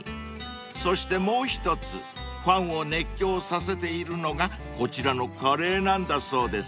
［そしてもう一つファンを熱狂させているのがこちらのカレーなんだそうです］